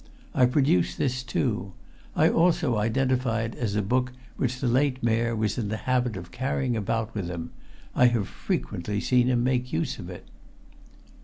I produce this too. I also identify it as a book which the late Mayor was in the habit of carrying about with him. I have frequently seen him make use of it."